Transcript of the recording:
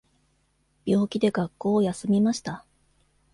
病気で学校を休みました。